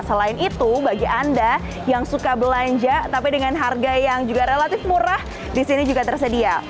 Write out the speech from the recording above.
selain itu bagi anda yang suka belanja tapi dengan harga yang juga relatif murah disini juga tersedia